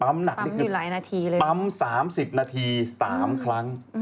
หนักนี่คือปั๊ม๓๐นาที๓ครั้ง